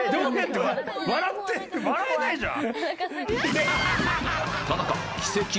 笑って笑えないじゃん。